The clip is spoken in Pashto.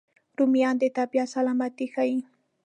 رومیان د طبیعت سلامتي ښيي